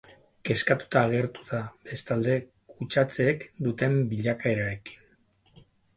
Kezkatuta agertu da, bestalde, kutsatzeek duten bilakaerarekin.